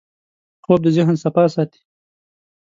خوب د ذهن صفا ساتي